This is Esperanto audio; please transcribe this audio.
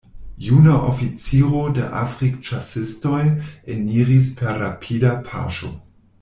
Juna oficiro de Afrikĉasistoj eniris per rapida paŝo.